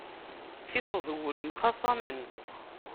Tiṭ d wul mxaṣamen.